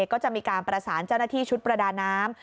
ก็จะมีการประสานเจ้าหน้าที่ชุดประดาน้ำ